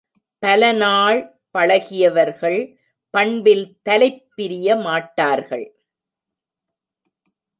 பலநாள் பழகியவர்கள் பண்பில் தலைப் பிரியமாட்டார்கள்.